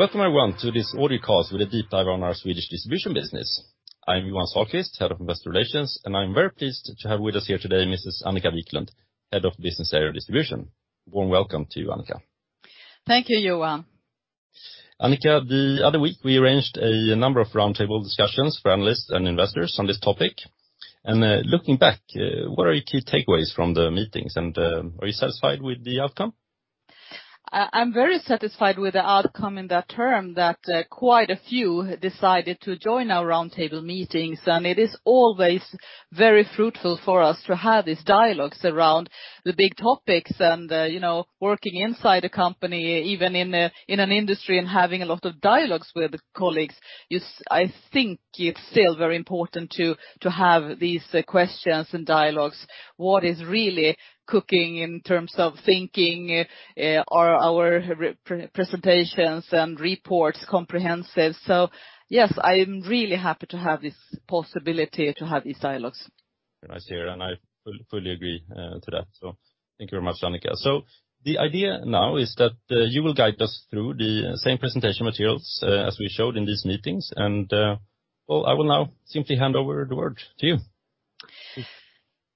Welcome everyone to this audio call with a deep dive on our Swedish distribution business. I'm Johan Sahlqvist, head of investor relations, and I'm very pleased to have with us here today Mrs. Annika Viklund, head of Business Area Distribution. Warm welcome to you, Annika. Thank you, Johan. Annika, the other week we arranged a number of round table discussions for analysts and investors on this topic. Looking back, what are your key takeaways from the meetings and are you satisfied with the outcome? I'm very satisfied with the outcome in the term that quite a few decided to join our round table meetings, and it is always very fruitful for us to have these dialogues around the big topics and working inside a company, even in an industry and having a lot of dialogues with colleagues, I think it's still very important to have these questions and dialogues. What is really cooking in terms of thinking? Are our presentations and reports comprehensive? Yes, I'm really happy to have this possibility to have these dialogues. Nice to hear. I fully agree to that. Thank you very much, Annika. The idea now is that you will guide us through the same presentation materials as we showed in these meetings, well, I will now simply hand over the word to you.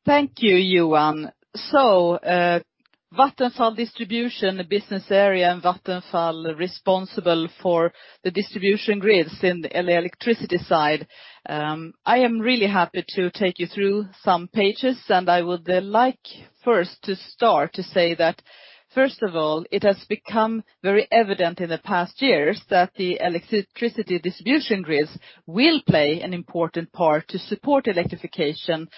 Thank you, Johan. Vattenfall Distribution, the business area in Vattenfall responsible for the distribution grids in the electricity side. I am really happy to take you through some pages, and I would like first to start to say that, first of all, it has become very evident in the past years that the electricity distribution grids will play an important part to support electrification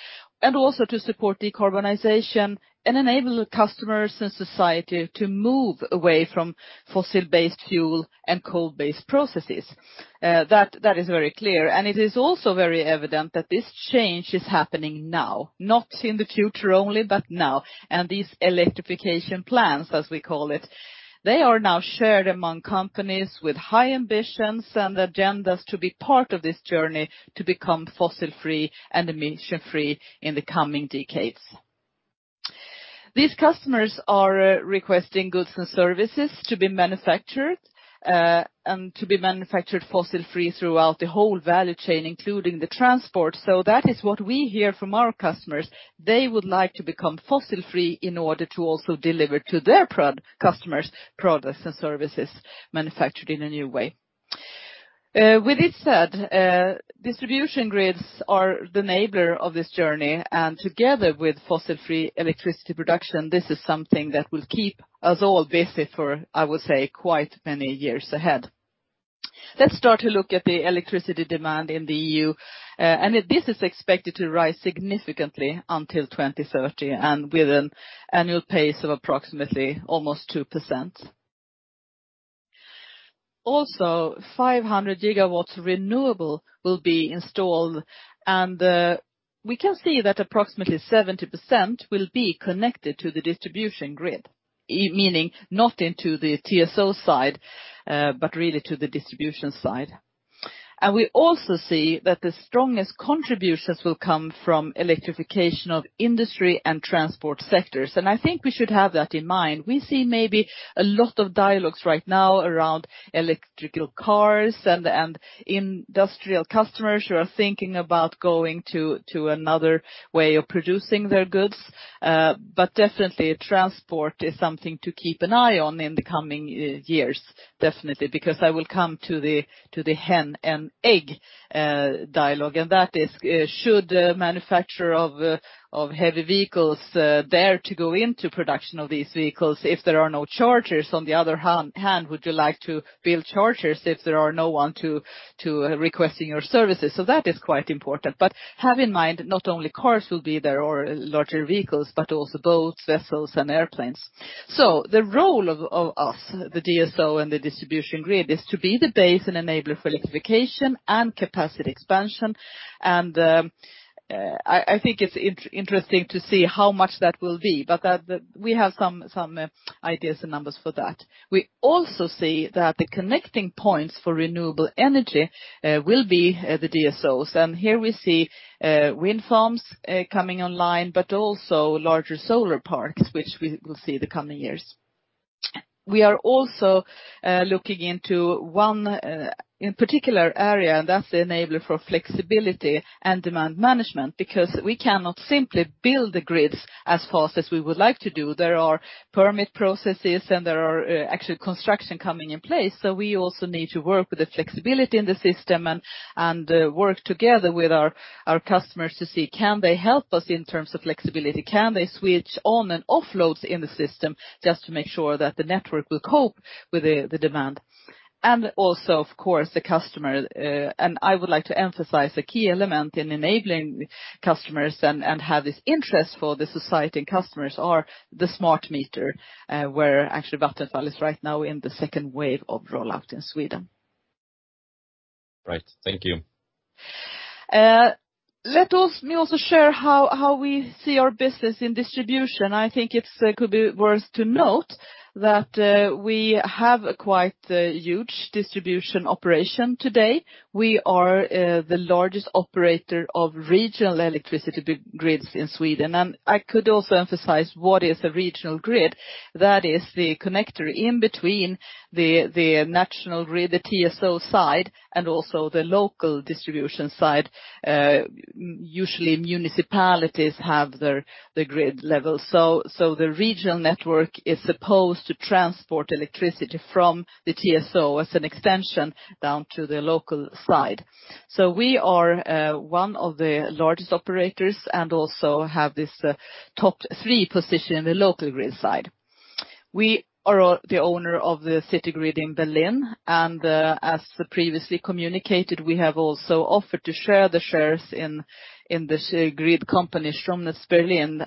and also to support decarbonization and enable customers and society to move away from fossil-based fuel and coal-based processes. That is very clear. It is also very evident that this change is happening now, not in the future only, but now. These electrification plans, as we call it, they are now shared among companies with high ambitions and agendas to be part of this journey to become fossil-free and emission-free in the coming decades. These customers are requesting goods and services to be manufactured and to be manufactured fossil-free throughout the whole value chain, including the transport. That is what we hear from our customers. They would like to become fossil-free in order to also deliver to their customers products and services manufactured in a new way. With this said, distribution grids are the enabler of this journey, and together with fossil-free electricity production, this is something that will keep us all busy for, I would say, quite many years ahead. Let's start to look at the electricity demand in the EU, this is expected to rise significantly until 2030, and with an annual pace of approximately almost 2%. Also, 500 GW renewable will be installed, we can see that approximately 70% will be connected to the distribution grid, meaning not into the TSO side, but really to the distribution side. We also see that the strongest contributions will come from electrification of industry and transport sectors, and I think we should have that in mind. We see maybe a lot of dialogues right now around electrical cars and industrial customers who are thinking about going to another way of producing their goods, but definitely transport is something to keep an eye on in the coming years, definitely. Because I will come to the hen and egg dialogue, and that is, should manufacturer of heavy vehicles dare to go into production of these vehicles if there are no chargers? On the other hand, would you like to build chargers if there are no one to requesting your services? That is quite important. Have in mind, not only cars will be there or larger vehicles, but also boats, vessels and airplanes. The role of us, the DSO and the distribution grid, is to be the base and enabler for electrification and capacity expansion. I think it's interesting to see how much that will be, but we have some ideas and numbers for that. We also see that the connecting points for renewable energy will be the DSOs, and here we see wind farms coming online, but also larger solar parks, which we will see the coming years. We are also looking into one in particular area, and that's the enabler for flexibility and demand management, because we cannot simply build the grids as fast as we would like to do. There are permit processes and there are actually construction coming in place. We also need to work with the flexibility in the system and work together with our customers to see can they help us in terms of flexibility? Can they switch on and off loads in the system just to make sure that the network will cope with the demand? Also, of course, the customer. I would like to emphasize a key element in enabling customers and have this interest for the society and customers are the smart meter, where actually Vattenfall is right now in the second wave of rollout in Sweden. Right. Thank you. Let me also share how we see our business in distribution. I think it could be worth to note that we have a quite huge distribution operation today. We are the largest operator of regional electricity grids in Sweden. I could also emphasize what is a regional grid. That is the connector in between the national grid, the TSO side, and also the local distribution side. Usually, municipalities have the grid level. The regional network is supposed to transport electricity from the TSO as an extension down to the local side. We are one of the largest operators and also have this top three position in the local grid side. We are the owner of the city grid in Berlin, and as previously communicated, we have also offered to share the shares in this grid company, Stromnetz Berlin.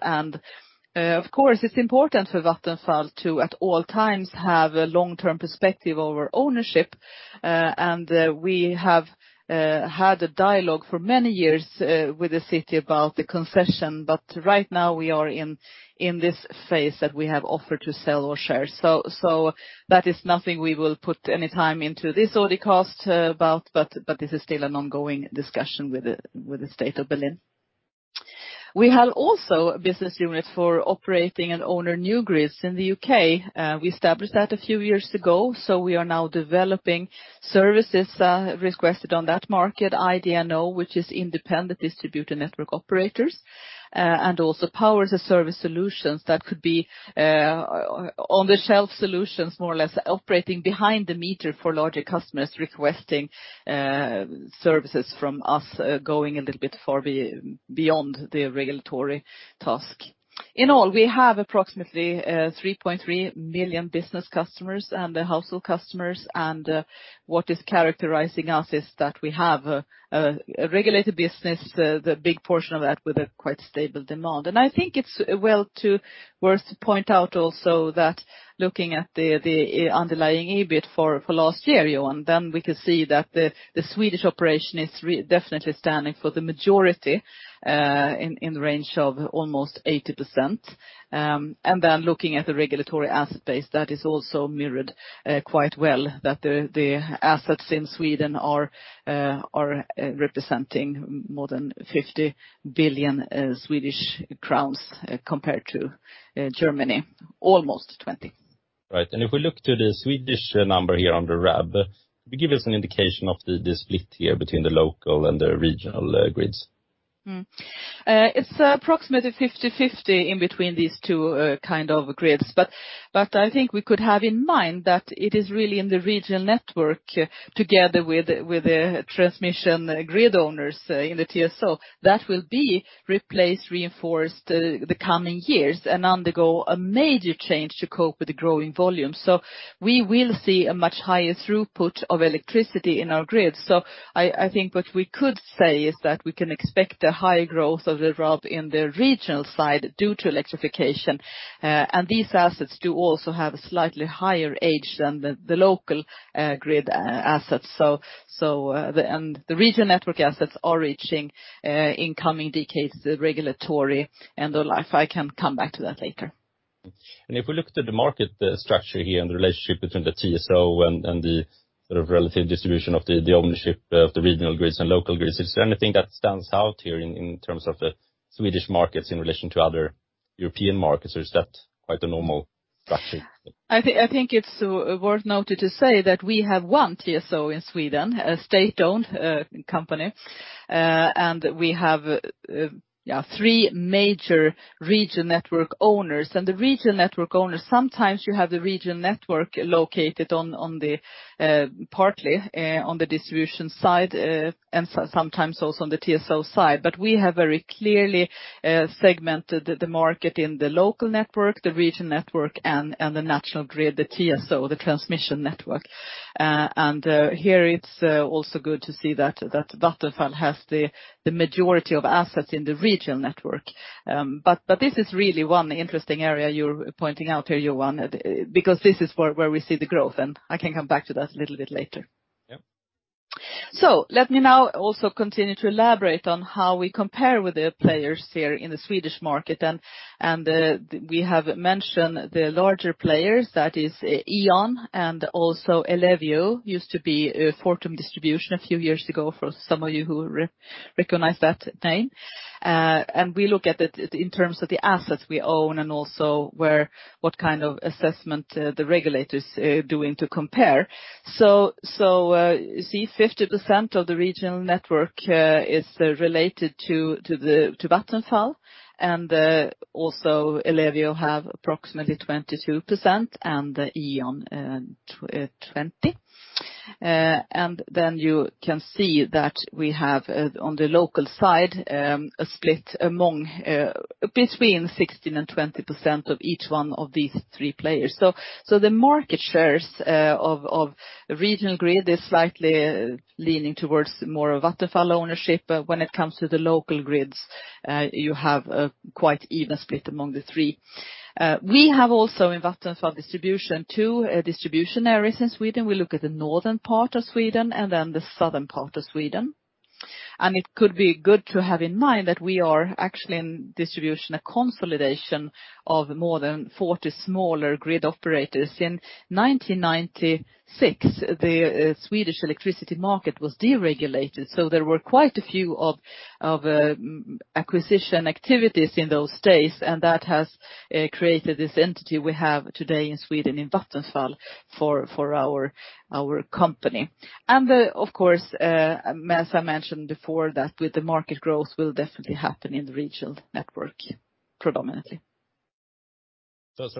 Of course, it's important for Vattenfall to, at all times, have a long-term perspective over ownership. We have had a dialogue for many years with the city about the concession. Right now we are in this phase that we have offered to sell our shares. That is nothing we will put any time into this or discuss about, but this is still an ongoing discussion with the State of Berlin. We have also a business unit for operating and owning new grids in the U.K. We established that a few years ago, we are now developing services requested on that market, IDNO, which is Independent Distribution Network Operators, and also power as a service solution that could be on the shelf solutions, more or less operating behind the meter for larger customers requesting services from us, going a little bit far beyond the regulatory task. We have approximately 3.3 million business customers and household customers. What is characterizing us is that we have a regulated business, the big portion of that with a quite stable demand. I think it's worth to point out also that looking at the underlying EBIT for last year, Johan, then we can see that the Swedish operation is definitely standing for the majority in the range of almost 80%. Looking at the regulatory asset base, that is also mirrored quite well, that the assets in Sweden are representing more than 50 billion Swedish crowns compared to Germany, almost 20. If we look to the Swedish number here on the RAB, could you give us an indication of the split here between the local and the regional grids? It's approximately 50/50 in between these two kind of grids. I think we could have in mind that it is really in the regional network, together with the transmission grid owners in the TSO, that will be replaced, reinforced the coming years, and undergo a major change to cope with the growing volume. We will see a much higher throughput of electricity in our grid. I think what we could say is that we can expect a high growth of the RAB in the regional side due to electrification. These assets do also have a slightly higher age than the local grid assets. The regional network assets are reaching, in coming decades, the regulatory end of life. I can come back to that later. If we look at the market structure here and the relationship between the TSO and the sort of relative distribution of the ownership of the regional grids and local grids, is there anything that stands out here in terms of the Swedish markets in relation to other European markets, or is that quite a normal structure? I think it's worth noting to say that we have one TSO in Sweden, a state-owned company, and we have three major regional network owners. The regional network owners, sometimes you have the regional network located partly on the distribution side, and sometimes also on the TSO side. We have very clearly segmented the market in the local network, the regional network, and the national grid, the TSO, the transmission network. Here it's also good to see that Vattenfall has the majority of assets in the regional network. This is really one interesting area you're pointing out here, Johan, because this is where we see the growth, and I can come back to that a little bit later. Yeah. Let me now also continue to elaborate on how we compare with the players here in the Swedish market. We have mentioned the larger players, that is E.ON and also Ellevio, used to be Fortum Distribution a few years ago, for some of you who recognize that name. We look at it in terms of the assets we own and also what kind of assessment the regulators are doing to compare. You see 50% of the regional network is related to Vattenfall, and also Ellevio have approximately 22%, and E.ON, 20%. You can see that we have, on the local side, a split between 16% and 20% of each one of these three players. The market shares of regional grid is slightly leaning towards more of Vattenfall ownership. When it comes to the local grids, you have a quite even split among the three. We have also, in Vattenfall Distribution, two distribution areas in Sweden. We look at the northern part of Sweden and then the southern part of Sweden. It could be good to have in mind that we are actually in distribution, a consolidation of more than 40 smaller grid operators. In 1996, the Swedish electricity market was deregulated, so there were quite a few of acquisition activities in those days, and that has created this entity we have today in Sweden, in Vattenfall, for our company. Of course, as I mentioned before, that with the market growth will definitely happen in the regional network predominantly.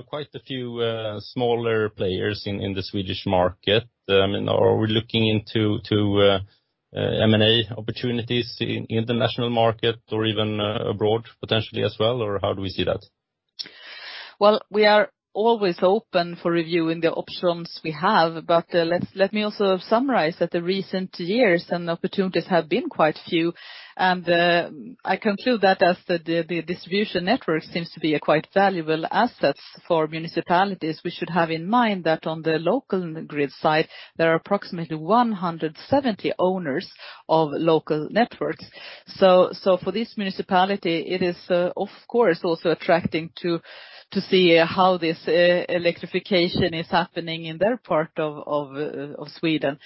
Quite a few smaller players in the Swedish market. Are we looking into M&A opportunities in the national market or even abroad potentially as well, or how do we see that? Well, we are always open for reviewing the options we have, let me also summarize that the recent years and opportunities have been quite few, and I conclude that as the distribution network seems to be a quite valuable assets for municipalities, we should have in mind that on the local grid side, there are approximately 170 owners of local networks. For this municipality, it is of course also attractive to see how this electrification is happening in their part of Sweden.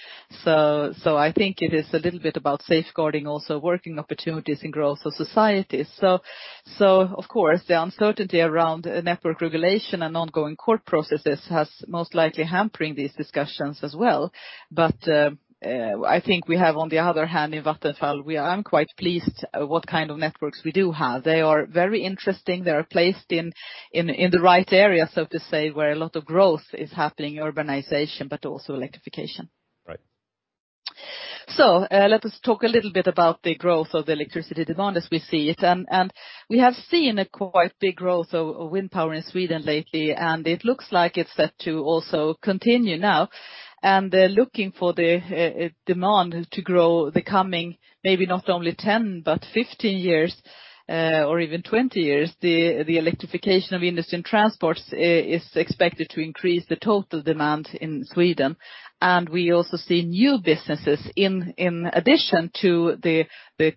I think it is a little bit about safeguarding also working opportunities and growth of societies. Of course, the uncertainty around network regulation and ongoing court processes has most likely hampered these discussions as well. I think we have, on the other hand, in Vattenfall, we are quite pleased what kind of networks we do have. They are very interesting. They are placed in the right area, so to say, where a lot of growth is happening, urbanization, but also electrification. Right. Let us talk a little bit about the growth of the electricity demand as we see it. We have seen a quite big growth of wind power in Sweden lately, and it looks like it's set to also continue now. Looking for the demand to grow the coming, maybe not only 10, but 15 years or even 20 years, the electrification of industry and transports is expected to increase the total demand in Sweden. We also see new businesses in addition to the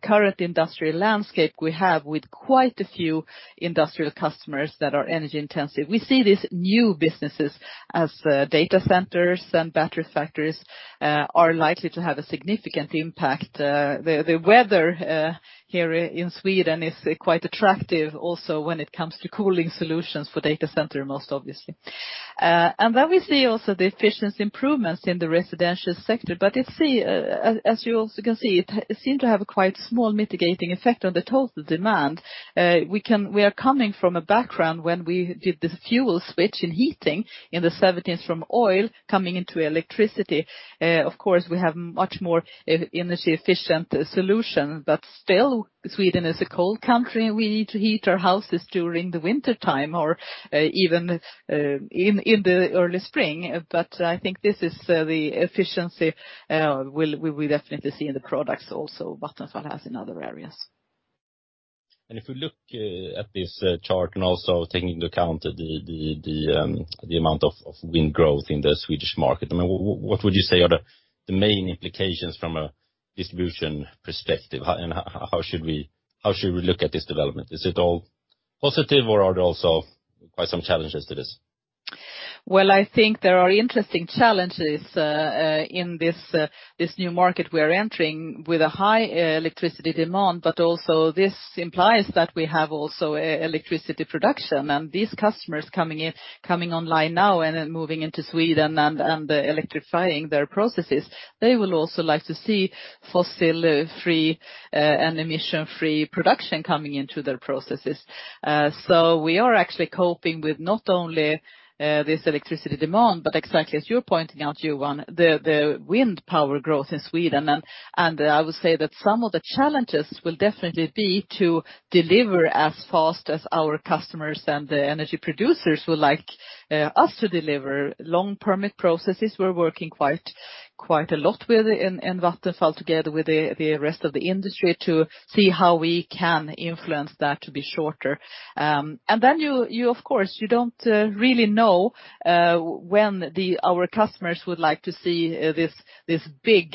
current industrial landscape we have with quite a few industrial customers that are energy-intensive. We see these new businesses as data centers and battery factories are likely to have a significant impact. The weather here in Sweden is quite attractive also when it comes to cooling solutions for data center, most obviously. We see also the efficiency improvements in the residential sector. As you also can see, it seem to have a quite small mitigating effect on the total demand. We are coming from a background when we did this fuel switch in heating in the 1970s from oil coming into electricity. Of course, we have much more energy efficient solution, but still, Sweden is a cold country. We need to heat our houses during the wintertime or even in the early spring. I think this is the efficiency we definitely see in the products also Vattenfall has in other areas. If you look at this chart and also taking into account the amount of wind growth in the Swedish market, what would you say are the main implications from a distribution perspective? How should we look at this development? Is it all positive or are there also quite some challenges to this? Well, I think there are interesting challenges in this new market we are entering with a high electricity demand, also this implies that we have also electricity production and these customers coming online now and then moving into Sweden and electrifying their processes, they will also like to see fossil-free and emission-free production coming into their processes. We are actually coping with not only this electricity demand, but exactly as you're pointing out, Johan, the wind power growth in Sweden. I would say that some of the challenges will definitely be to deliver as fast as our customers and the energy producers would like us to deliver long permit processes. We're working quite a lot with in Vattenfall together with the rest of the industry to see how we can influence that to be shorter. You, of course, you don't really know when our customers would like to see this big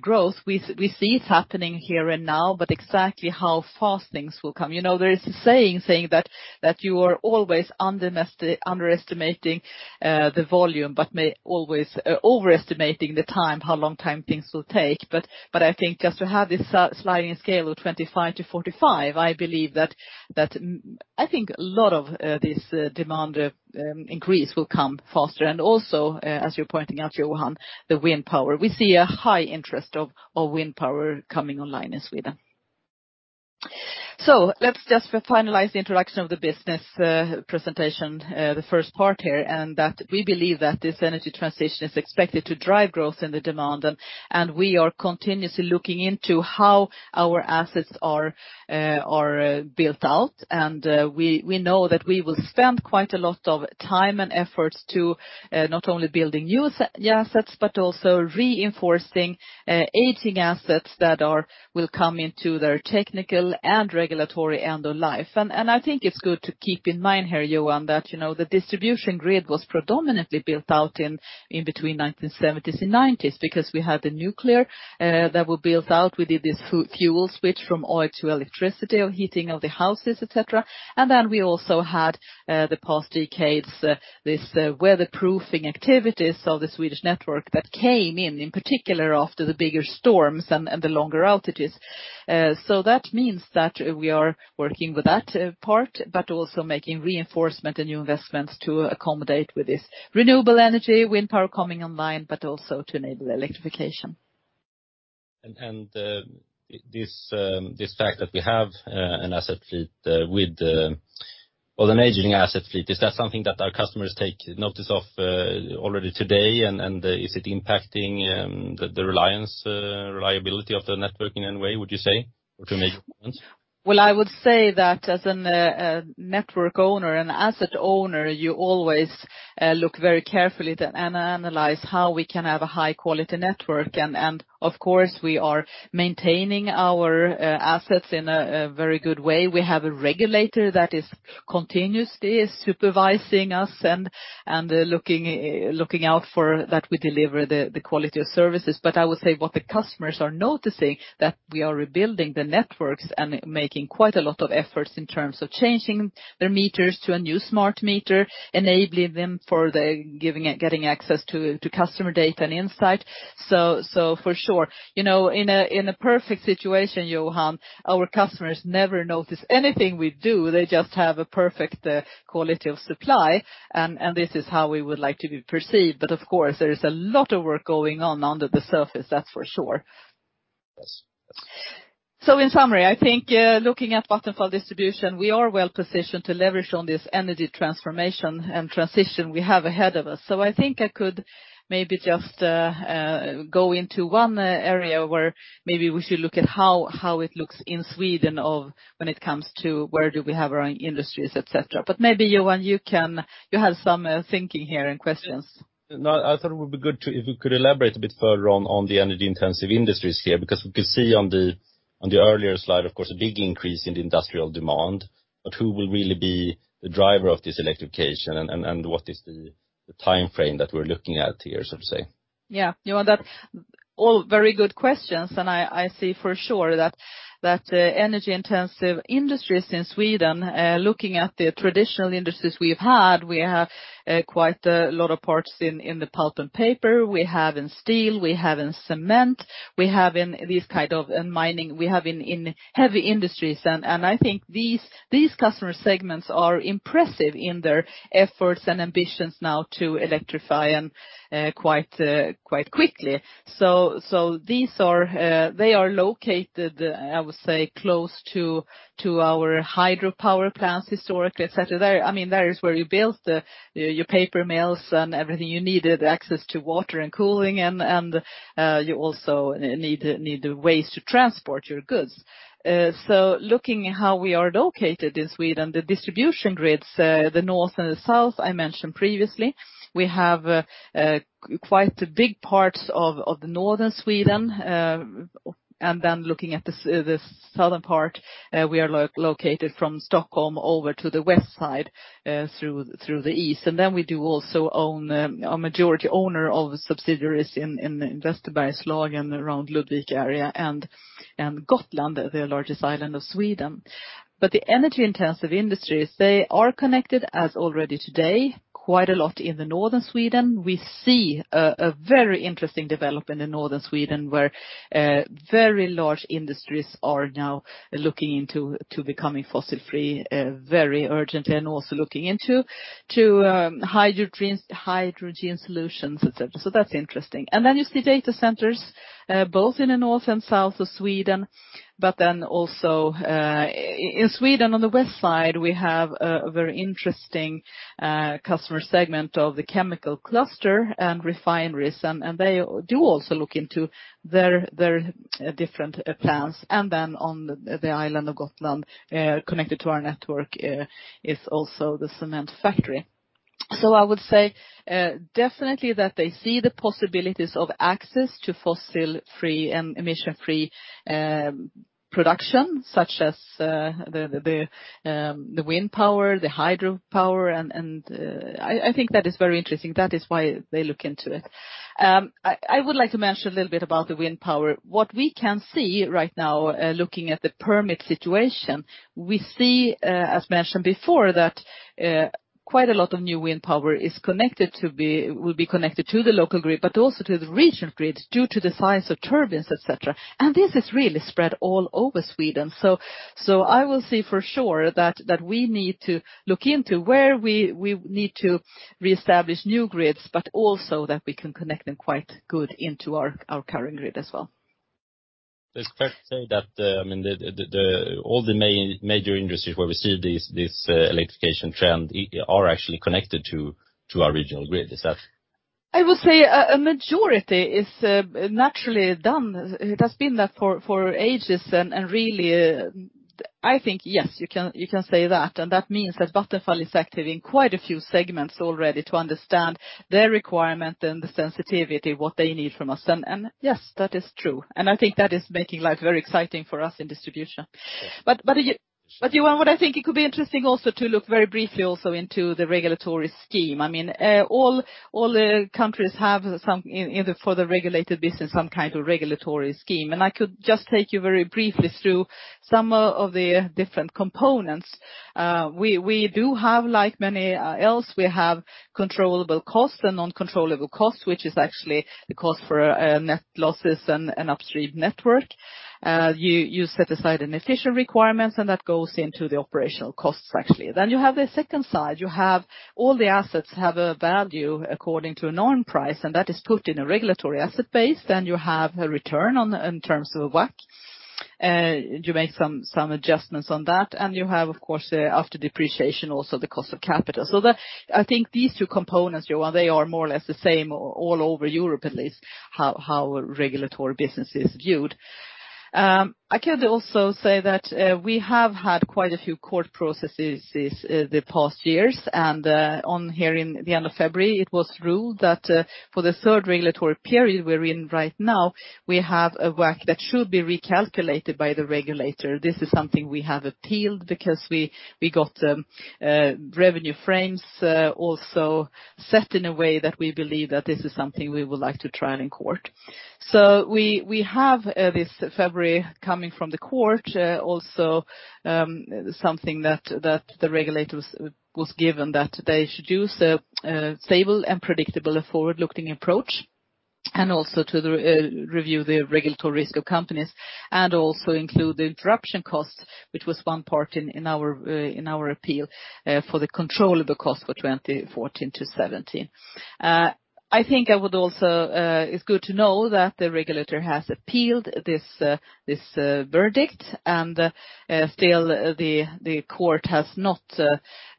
growth. We see it happening here and now, but exactly how fast things will come. There is a saying that you are always underestimating the volume, but always overestimating the time, how long time things will take. I think just to have this sliding scale of 25-45, I believe that, I think a lot of this demand increase will come faster. Also, as you're pointing out, Johan Sahlqvist, the wind power. We see a high interest of wind power coming online in Sweden. Let's just finalize the introduction of the business presentation, the first part here, and that we believe that this energy transition is expected to drive growth in the demand, and we are continuously looking into how our assets are built out. We know that we will spend quite a lot of time and efforts to not only building new assets, but also reinforcing aging assets that will come into their technical and regulatory end of life. I think it's good to keep in mind here, Johan, that the distribution grid was predominantly built out in between 1970s and '90s because we had the nuclear that were built out. We did this fuel switch from oil to electricity of heating of the houses, et cetera. We also had, the past decades, this weatherproofing activities of the Swedish network that came in particular after the bigger storms and the longer outages. That means that we are working with that part, but also making reinforcement and new investments to accommodate with this renewable energy, wind power coming online, but also to enable electrification. This fact that we have an asset fleet, Well, an aging asset fleet, is that something that our customers take notice of already today? Is it impacting the reliability of the network in any way, would you say? Or to make improvements? I would say that as a network owner and asset owner, you always look very carefully to analyze how we can have a high-quality network. Of course, we are maintaining our assets in a very good way. We have a regulator that is continuously supervising us and looking out for that we deliver the quality of services. I would say what the customers are noticing, that we are rebuilding the networks and making quite a lot of efforts in terms of changing their meters to a new smart meter, enabling them for getting access to customer data and insight. For sure. In a perfect situation, Johan, our customers never notice anything we do. They just have a perfect quality of supply, and this is how we would like to be perceived. Of course, there is a lot of work going on under the surface, that's for sure. Yes. In summary, I think looking at Vattenfall Distribution, we are well positioned to leverage on this energy transformation and transition we have ahead of us. I think I could maybe just go into one area where maybe we should look at how it looks in Sweden of when it comes to where do we have our own industries, et cetera. Maybe, Johan, you have some thinking here and questions. No, I thought it would be good if you could elaborate a bit further on the energy-intensive industries here, because we could see on the earlier slide, of course, a big increase in the industrial demand. Who will really be the driver of this electrification and what is the timeframe that we're looking at here, so to say? Yeah. Johan, that's all very good questions, and I see for sure that energy-intensive industries in Sweden, looking at the traditional industries we've had, we have quite a lot of parts in the pulp and paper, we have in steel, we have in cement, we have in these kind of in mining, we have in heavy industries. They are located, I would say, close to our hydropower plants historically, et cetera. That is where you built your paper mills and everything you needed, access to water and cooling, and you also need ways to transport your goods. Looking how we are located in Sweden, the distribution grids, the north and the south, I mentioned previously. We have quite big parts of the northern Sweden. Looking at the southern part, we are located from Stockholm over to the west side, through the east. We do also own a majority owner of subsidiaries in Västerbergslagens around Ludvika area and Gotland, the largest island of Sweden. The energy-intensive industries, they are connected as already today, quite a lot in the northern Sweden. We see a very interesting development in northern Sweden, where very large industries are now looking into becoming fossil free very urgently and also looking into hydrogen solutions, et cetera. That's interesting. You see data centers both in the north and south of Sweden, but then also in Sweden, on the west side, we have a very interesting customer segment of the chemical cluster and refineries, and they do also look into their different plants. On the island of Gotland, connected to our network is also the cement factory. I would say definitely that they see the possibilities of access to fossil-free and emission-free production, such as the wind power, the hydropower, and I think that is very interesting. That is why they look into it. I would like to mention a little bit about the wind power. What we can see right now, looking at the permit situation, we see, as mentioned before, that quite a lot of new wind power will be connected to the local grid, but also to the regional grid due to the size of turbines, et cetera. This is really spread all over Sweden. I will say for sure that we need to look into where we need to reestablish new grids, but also that we can connect them quite good into our current grid as well. Is it fair to say that all the major industries where we see this electrification trend are actually connected to our regional grid? I would say a majority is naturally done. It has been that for ages and really, I think, yes, you can say that, and that means that Vattenfall is active in quite a few segments already to understand their requirement and the sensitivity, what they need from us. Yes, that is true, and I think that is making life very exciting for us in distribution. What I think it could be interesting also to look very briefly also into the regulatory scheme. All the countries have, for the regulated business, some kind of regulatory scheme. I could just take you very briefly through some of the different components. We do have, like many else, we have controllable costs and uncontrollable costs, which is actually the cost for net losses and upstream network. You set aside an efficient requirement, and that goes into the operational costs, actually. You have the second side. You have all the assets have a value according to a known price, and that is put in a Regulatory Asset Base. You have a return in terms of WACC. You make some adjustments on that, and you have, of course, after depreciation, also the cost of capital. I think these two components, they are more or less the same all over Europe, at least, how regulatory business is viewed. I can also say that we have had quite a few court processes the past years, and on here in the end of February, it was ruled that for the third regulatory period we're in right now, we have a WACC that should be recalculated by the regulator. This is something we have appealed because we got revenue frames also set in a way that we believe that this is something we would like to try in court. We have this February coming from the court also, something that the regulator was given that they should use a stable and predictable forward-looking approach and also to review the regulatory risk of companies and also include the interruption costs, which was one part in our appeal for the controllable cost for 2014-2017. I think it's good to know that the regulator has appealed this verdict, and still, the court has not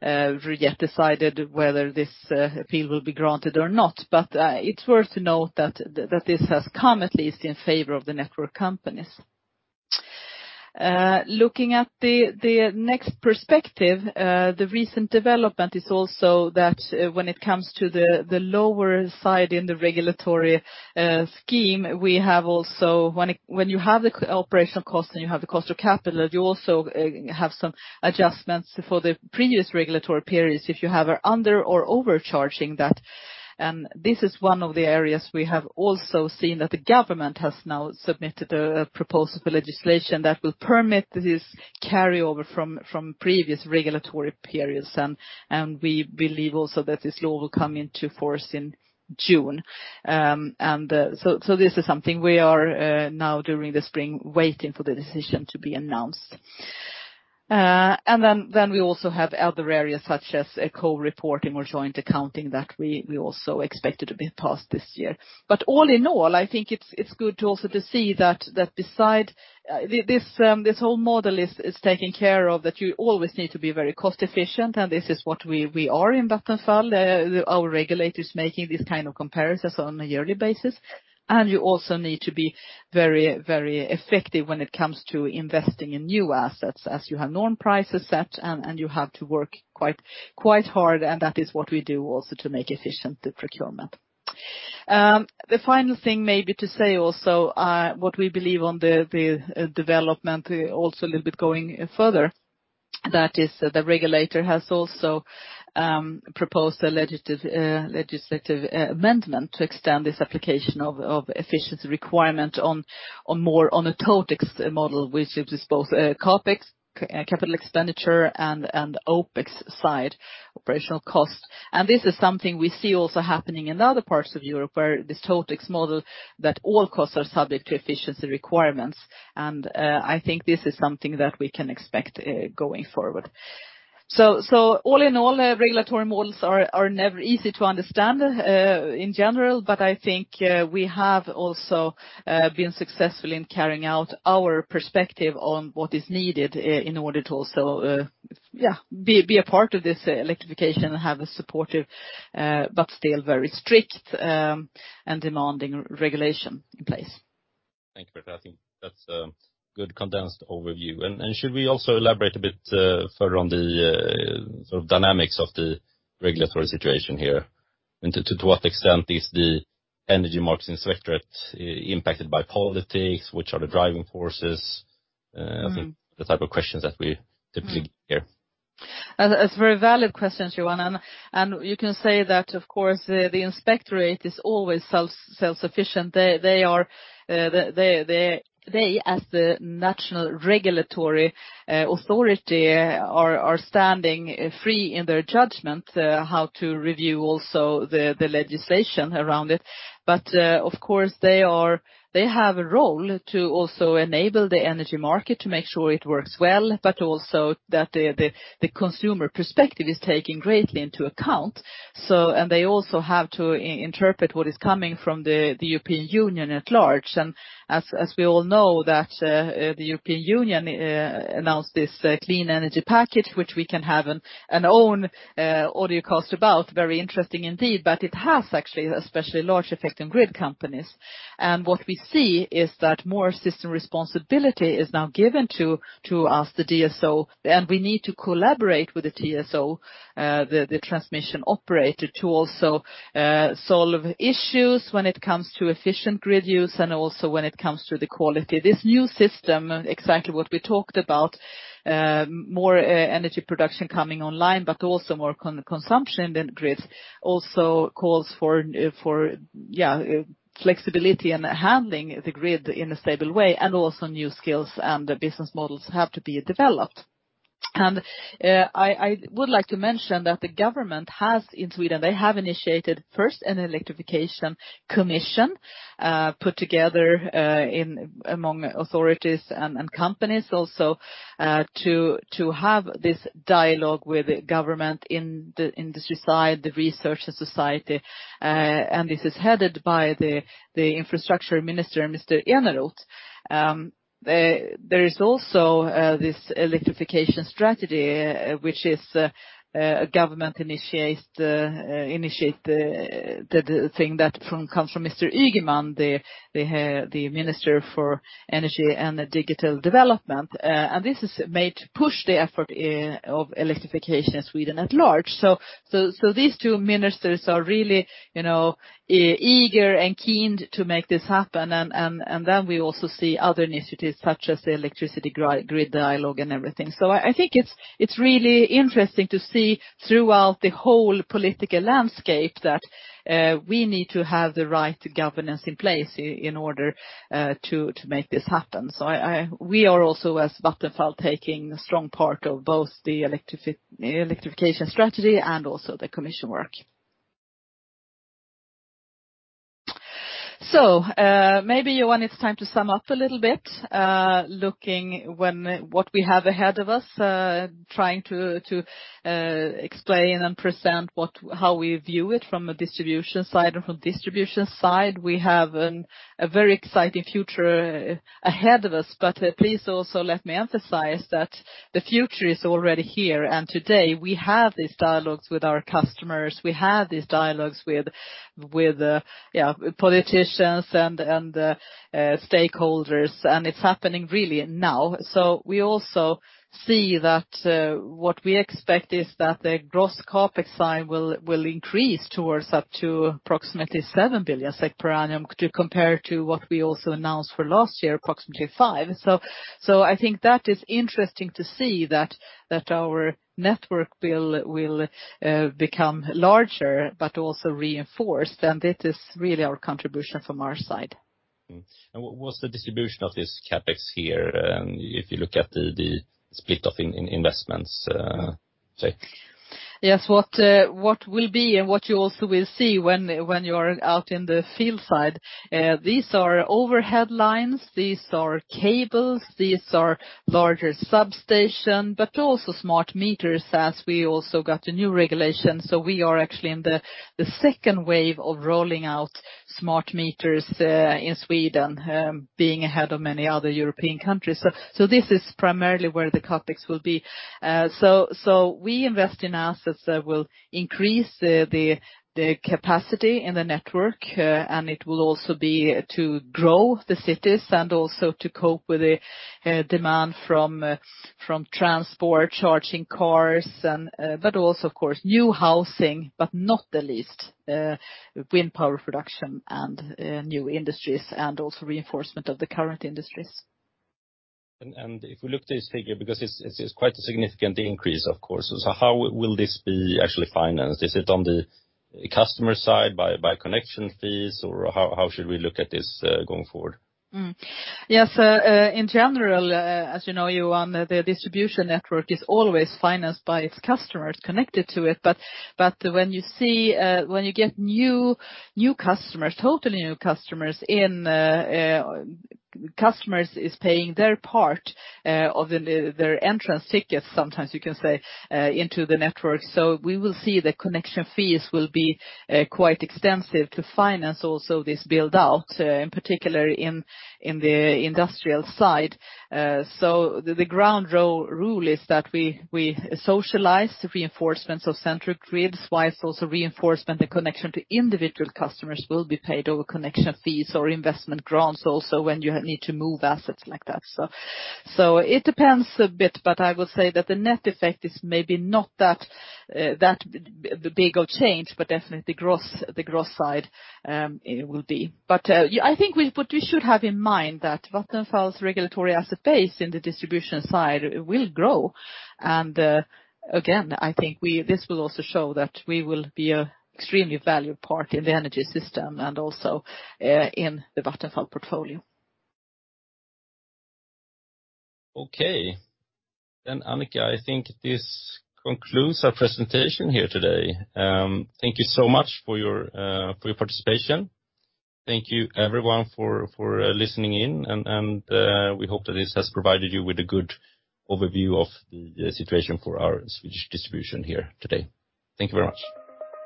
yet decided whether this appeal will be granted or not. It's worth to note that this has come at least in favor of the network companies. Looking at the next perspective, the recent development is also that when it comes to the lower side in the regulatory scheme, when you have the operational cost and you have the cost of capital, you also have some adjustments for the previous regulatory periods if you have under or overcharging that. This is one of the areas we have also seen that the government has now submitted a proposal for legislation that will permit this carryover from previous regulatory periods, and we believe also that this law will come into force in June. This is something we are now during the spring waiting for the decision to be announced. Then we also have other areas such as co-reporting or joint accounting that we also expected to be passed this year. All in all, I think it's good to also to see that this whole model is taken care of, that you always need to be very cost-efficient, and this is what we are in Vattenfall. Our regulator is making this kind of comparisons on a yearly basis. You also need to be very effective when it comes to investing in new assets, as you have known prices set and you have to work quite hard. That is what we do also to make efficient the procurement. The final thing maybe to say also, what we believe on the development, also a little bit going further, that is the regulator has also proposed a legislative amendment to extend this application of efficiency requirement on a TotEx model, which is both CapEx, capital expenditure, and OpEx side, operational cost. This is something we see also happening in other parts of Europe where this TotEx model, that all costs are subject to efficiency requirements. I think this is something that we can expect going forward. All in all, regulatory models are never easy to understand in general, but I think we have also been successful in carrying out our perspective on what is needed in order to also be a part of this electrification and have a supportive, but still very strict and demanding regulation in place. Thank you, Annika. I think that's a good condensed overview. Should we also elaborate a bit further on the sort of dynamics of the regulatory situation here? To what extent is the Energy Markets Inspectorate impacted by politics? Which are the driving forces? I think the type of questions that we typically hear. That's a very valid question, Johan. You can say that, of course, the Inspectorate is always self-sufficient. They as the national regulatory authority are standing free in their judgment how to review also the legislation around it. Of course, they have a role to also enable the energy market to make sure it works well, but also that the consumer perspective is taken greatly into account. They also have to interpret what is coming from the European Union at large. As we all know that the European Union announced this Clean Energy Package, which we can have until and own audio cost about, very interesting indeed, but it has actually especially large effect on grid companies. What we see is that more system responsibility is now given to us, the DSO, and we need to collaborate with the TSO, the transmission operator, to also solve issues when it comes to efficient grid use and also when it comes to the quality. This new system, exactly what we talked about, more energy production coming online, but also more consumption than grids, also calls for flexibility in handling the grid in a stable way and also new skills and business models have to be developed. I would like to mention that the government has, in Sweden, they have initiated first an Electrification Commission, put together among authorities and companies also to have this dialogue with the government, the industry side, the research, the society, and this is headed by the Infrastructure Minister, Mr. Eneroth. There is also this Electrification Strategy, which is a government-initiated thing that comes from Mr. Ygeman, the Minister for Energy and Digital Development. This is made to push the effort of electrification in Sweden at large. These two ministers are really eager and keen to make this happen. We also see other initiatives such as the electricity grid dialogue and everything. I think it's really interesting to see throughout the whole political landscape that we need to have the right governance in place in order to make this happen. We are also, as Vattenfall, taking a strong part of both the Electrification Strategy and also the Commission work. Maybe, Johan, it's time to sum up a little bit, looking what we have ahead of us, trying to explain and present how we view it from a distribution side and from distribution side. We have a very exciting future ahead of us. Please also let me emphasize that the future is already here. Today we have these dialogues with our customers, we have these dialogues with politicians and stakeholders, and it's happening really now. We also see that what we expect is that the gross CapEx side will increase towards up to approximately 7 billion SEK per annum, to compare to what we also announced for last year, approximately 5 billion. I think that is interesting to see that our network bill will become larger but also reinforced. That is really our contribution from our side. What's the distribution of this CapEx here, if you look at the split of investments take? Yes. What will be and what you also will see when you are out in the field side, these are overhead lines, these are cables, these are larger substations, but also smart meters as we also got a new regulation. We are actually in the second wave of rolling out smart meters, in Sweden, being ahead of many other European countries. This is primarily where the CapEx will be. We invest in assets that will increase the capacity in the network, and it will also be to grow the cities and also to cope with the demand from transport, charging cars, but also of course new housing, but not the least, wind power production and new industries and also reinforcement of the current industries. If we look at this figure, because it is quite a significant increase, of course. How will this be actually financed? Is it on the customer side by connection fees? How should we look at this going forward? Yes. In general, as you know, Johan, the distribution network is always financed by its customers connected to it. When you get totally new customers in, customers is paying their part of their entrance tickets, sometimes you can say, into the network. We will see the connection fees will be quite extensive to finance also this build-out, in particular in the industrial side. The ground rule is that we socialize reinforcements of central grids, whilst also reinforcement and connection to individual customers will be paid over connection fees or investment grants also when you need to move assets like that. It depends a bit, but I would say that the net effect is maybe not that big of change, but definitely the gross side it will be. I think what we should have in mind that Vattenfall's regulatory asset base in the distribution side will grow, and again, I think this will also show that we will be extremely valued part in the energy system and also in the Vattenfall portfolio. Okay. Annika, I think this concludes our presentation here today. Thank you so much for your participation. Thank you everyone for listening in, and we hope that this has provided you with a good overview of the situation for our Swedish distribution here today. Thank you very much.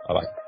Bye-bye.